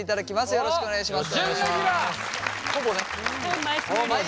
よろしくお願いします。